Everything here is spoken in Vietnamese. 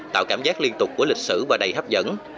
tạo cảm giác liên tục của lịch sử và đầy hấp dẫn